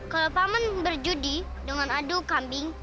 ke paman berjudi dengan adu kambing